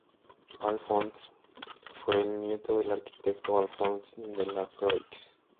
Alphonse Voisin-Delacroix fue el nieto del arquitecto Alphonse Delacroix.